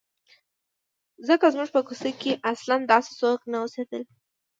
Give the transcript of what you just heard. ځکه زموږ په کوڅه کې اصلاً داسې څوک نه اوسېدل.